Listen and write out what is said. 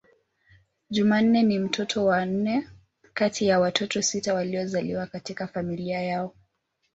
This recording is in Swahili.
Jumanne ni mtoto wa nne kati ya watoto sita waliozaliwa katika familia yao.